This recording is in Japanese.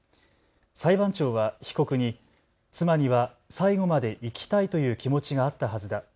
裁判長は被告に妻には最後まで生きたいという気持ちがあったはずだ。